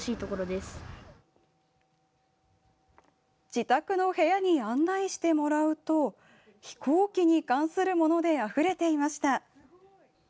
自宅の部屋に案内してもらうと飛行機に関するものであふれていました。